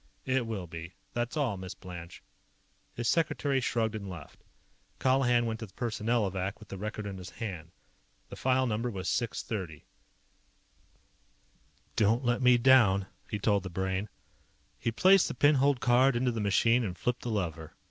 "It will be. That's all, Miss Blanche." His secretary shrugged and left. Colihan went to the Personnelovac with the record in his hand. The file number was 630. "Don't let me down," he told the Brain. He placed the pin holed card into the machine and flipped the lever.